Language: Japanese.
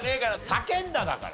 「叫んだ」だから。